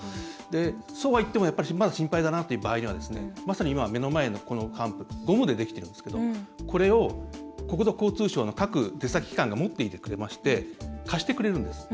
そうはいってもまだ心配だなという場合にはまさに今、目の前のこのハンプゴムでできてるんですけどこれを国土交通省の各出先機関が持っていてくれて貸してくれるんです。